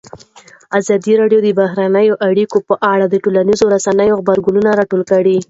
ازادي راډیو د بهرنۍ اړیکې په اړه د ټولنیزو رسنیو غبرګونونه راټول کړي.